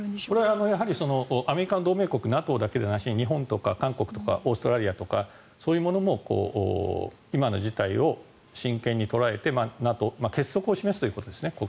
これはアメリカの同盟国ＮＡＴＯだけじゃなしに日本とか韓国とかオーストラリアとかそういうものも今の事態を真剣に捉えて結束を示すということですね。